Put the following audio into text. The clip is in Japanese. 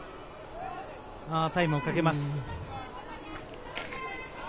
タイムをかけます。